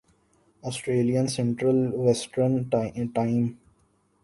Australian Central Western time